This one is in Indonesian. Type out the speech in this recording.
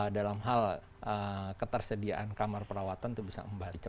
dalam hal ketersediaan kamar perawatan itu bisa membaca